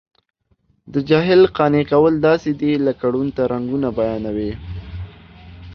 د جاهل قانع کول داسې دي لکه ړوند ته رنګونه بیانوي.